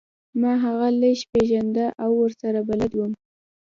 ما هغه لږ پیژنده او ورسره بلد وم